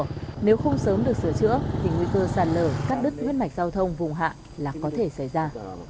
chữa thì nguy cơ sạt lở cắt đứt nguyên mạch giao thông vùng hạng là có thể xảy ra